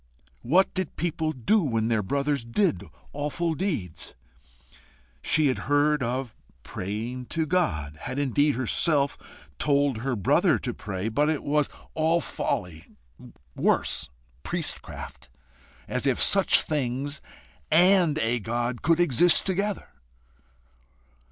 What did people do when their brothers did awful deeds? She had heard of praying to God had indeed herself told her brother to pray, but it was all folly worse, priestcraft. As if such things AND a God could exist together!